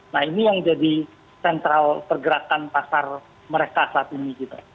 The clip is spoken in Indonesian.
nah ini yang jadi sentral pergerakan pasar mereka saat ini gitu